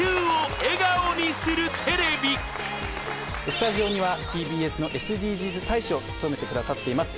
スタジオにはＴＢＳのＳＤＧｓ大使を務めてくださっています